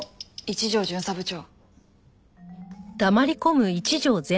一条巡査部長。